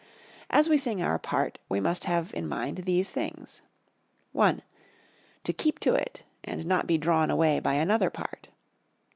As we sing our part we must have in mind these things: I. To keep to it and not be drawn away by another part.